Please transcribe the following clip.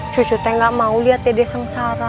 cucu teh gak mau liat dede sengsara